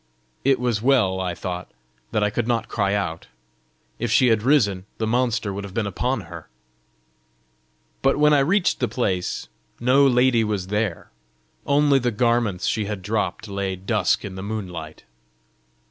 "It was well," I thought, "that I could not cry out: if she had risen, the monster would have been upon her!" But when I reached the place, no lady was there; only the garments she had dropped lay dusk in the moonlight.